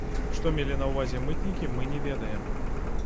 Што мелі на ўвазе мытнікі, мы не ведаем.